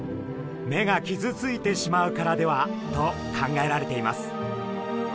目が傷ついてしまうからではと考えられています。